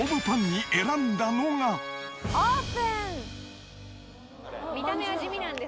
オープン。